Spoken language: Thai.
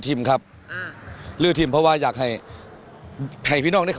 ที่เค้าซื้อมาจำนวนประมาณ๙๕ใบ